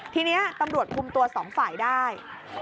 ทีนี้ตำรวจคุมตัวสองฝ่ายได้